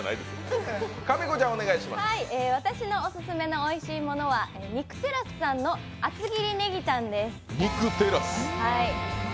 私のオススメの美しいものは２９テラスさんの厚切りネギタンです。